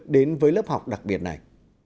đến với lớp học đặc biệt này